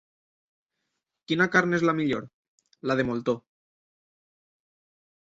Quina carn és la millor? La de moltó.